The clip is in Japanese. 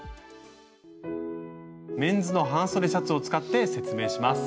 メンズの半袖シャツを使って説明します。